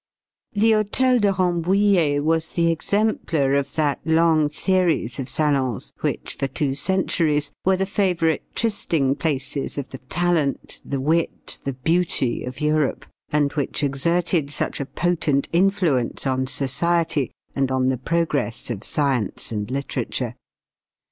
The Hôtel de Rambouillet was the exemplar of that long series of salons which, for two centuries, were the favorite trysting places of the talent, the wit, the beauty of Europe, and which exerted such a potent influence on society and on the progress of science and literature.